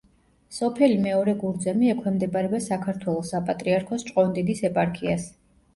სოფელი მეორე გურძემი ექვემდებარება საქართველოს საპატრიარქოს ჭყონდიდის ეპარქიას.